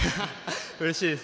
うれしいです。